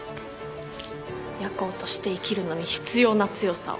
夜行として生きるのに必要な強さを。